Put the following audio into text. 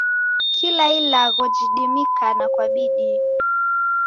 Kila ilagho jidimikana kwa bidii.